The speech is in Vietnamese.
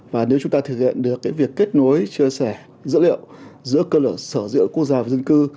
và nếu chúng ta thực hiện được việc kết nối chia sẻ dữ liệu giữa cơ sở dữ liệu quốc gia và dân cư